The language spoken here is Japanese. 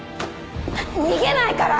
逃げないから！